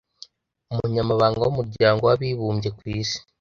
Umunyamabanga w umuryango wabibumbye kwisi